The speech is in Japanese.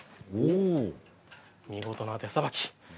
見事な手さばき。